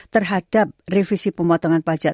terhadap revisi pemotongan pajak